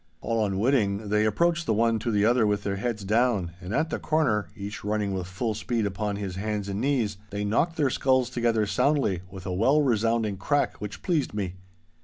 All unwitting they approached the one to the other with their heads down, and at the corner, each running with full speed upon his hands and knees, they knocked their skulls together soundly, with a well resounding crack which pleased me.